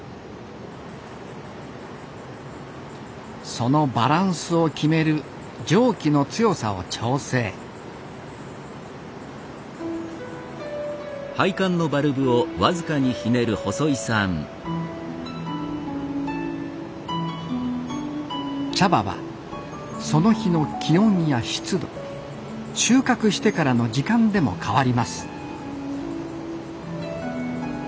そのバランスを決める蒸気の強さを調整茶葉はその日の気温や湿度収穫してからの時間でも変わります